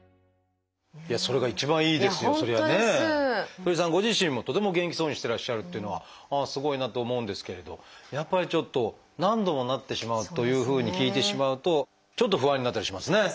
鳥居さんご自身もとても元気そうにしてらっしゃるというのはすごいなと思うんですけれどやっぱりちょっと何度もなってしまうというふうに聞いてしまうとちょっと不安になったりしますね。